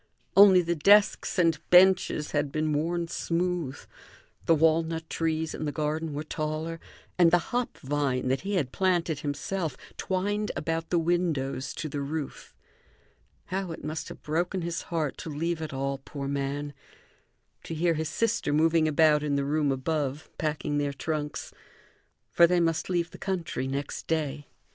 Only the desks and benches had been worn smooth; the walnut trees in the garden were taller, and the hop vine, that he had planted himself twined about the windows to the roof. How it must have broken his heart to leave it all, poor man; to hear his sister moving about in the room above, packing their trunks! For they must leave the country next day.